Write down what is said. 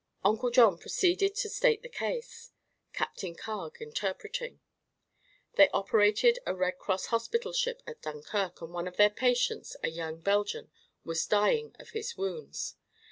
Uncle John proceeded to state the case, Captain Carg interpreting. They operated a Red Cross hospital ship at Dunkirk, and one of their patients, a young Belgian, was dying of his wounds.